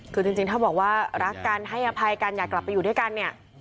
คือจริงถ้าบอกว่ารักกันให้อภัยกันอยากกลับไปอยู่ด้วยกันเนี่ย